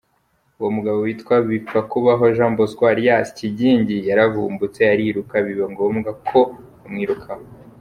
Uwo mugabo witwa Bipfakubaho Jean Bosco alias Kigingi yaravumbutse ariruka biba ngombwa ko bamwirukaho.